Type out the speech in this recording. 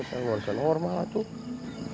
ya kan luar kan luar malah tuh